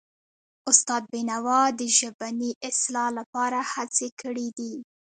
استاد بینوا د ژبني اصلاح لپاره هڅې کړی دي.